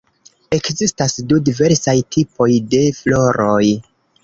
Ekzistas du diversaj tipoj de floroj.